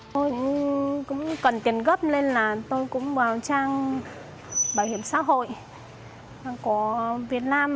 tôi cũng cần tiền gấp nên là tôi cũng vào trang bảo hiểm xã hội của việt nam